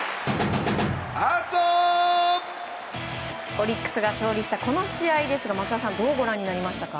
オリックスが勝利したこの試合ですが松田さんどうご覧になりましたか？